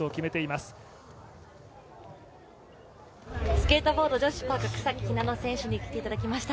スケートボード女子パーク、草木ひなの選手に来ていただきました。